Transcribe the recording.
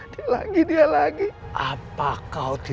dia lagi dia lagi